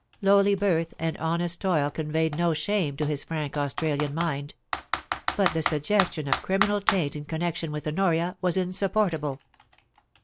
Lowly birth and honest toil conveyed no shame to his fnuik Australian mind ; but the suggestion of criminal taint in connection with Honoria was insupportable.